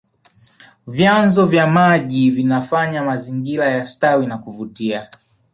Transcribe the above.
vyanzo vya maji vinafanya mazingira yastawi na kuvutia